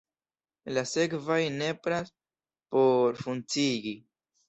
La sekvaj nepras por funkciigi.